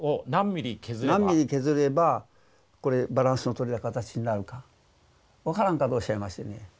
「何ミリ削ればこれバランスの取れた形になるか分からんか」とおっしゃいましてね。